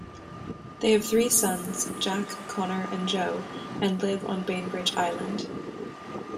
They have three sons, Jack, Connor, and Joe, and live on Bainbridge Island.